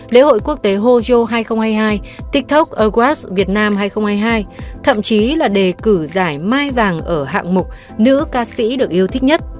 lễ hội quốc tế ho hai nghìn hai mươi hai tiktok awards việt nam hai nghìn hai mươi hai thậm chí là đề cử giải mai vàng ở hạng mục nữ ca sĩ được yêu thích nhất